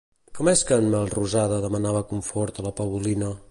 Com és que en Melrosada demanava confort a la Paulina?